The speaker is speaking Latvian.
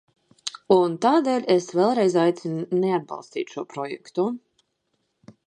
Un tādēļ es vēlreiz aicinu neatbalstīt šo projektu.